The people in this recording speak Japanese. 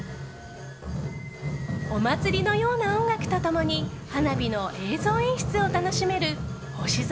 お祭りのような音楽と共に花火の映像演出を楽しめる星空